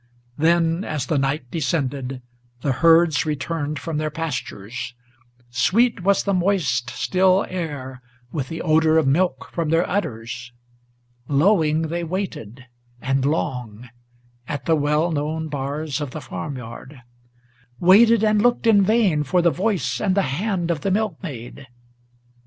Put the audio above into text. Then, as the night descended, the herds returned from their pastures; Sweet was the moist still air with the odor of milk from their udders; Lowing they waited, and long, at the well known bars of the farm yard, Waited and looked in vain for the voice and the hand of the milkmaid.